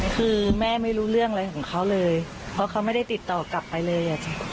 คือแม่ไม่รู้เรื่องอะไรของเขาเลยเพราะเขาไม่ได้ติดต่อกลับไปเลย